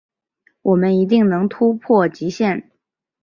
我们一定能突破极限